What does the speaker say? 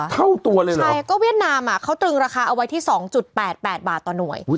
เท่าตัวเลยเหรอใช่ก็เวียดนามอ่ะเขาตึงราคาเอาไว้ที่สองจุดแปดแปดบาทต่อหน่วย